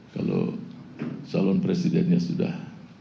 kalau calon presidennya sudah